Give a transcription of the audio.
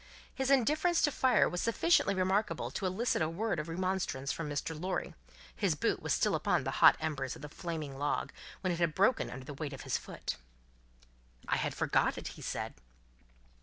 His indifference to fire was sufficiently remarkable to elicit a word of remonstrance from Mr. Lorry; his boot was still upon the hot embers of the flaming log, when it had broken under the weight of his foot. "I forgot it," he said.